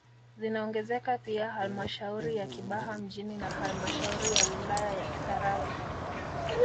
Zinaongezeka pia halmashauri ya Kibaha mjini na halmashauri ya wilaya ya Kisarawe